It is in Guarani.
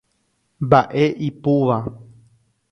Mba'e ipúva.